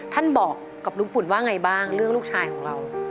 ท่านบอกกับลุงปุ่นว่าอย่างไรบ้างเรื่องลูกชายของเรา